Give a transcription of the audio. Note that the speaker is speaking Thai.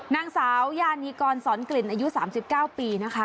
นางสาวยานีกรสอนกลิ่นอายุ๓๙ปีนะคะ